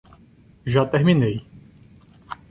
Já terminei